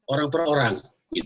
orang per orang